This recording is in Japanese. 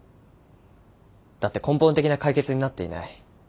だって根本的な解決になっていない。